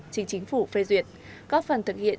chính chính phủ phê duyệt góp phần thực hiện